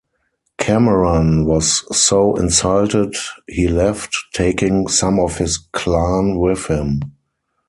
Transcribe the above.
Cameron was so insulted he left, taking some of his clan with him.